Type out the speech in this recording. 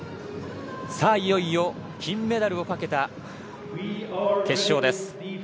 いよいよ、金メダルをかけた決勝です。